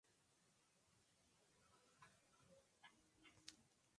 Sus amigos asisten y son cuestionados en su funeral, pero nada concluido.